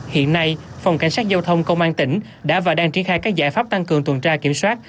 hiện nay phòng cảnh sát giao thông công an tỉnh đã và đang triển khai các giải pháp tăng cường tuần tra kiểm soát